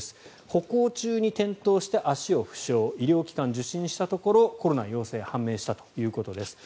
歩行中に転倒して足を負傷医療機関、受診したところコロナ陽性が判明したということです。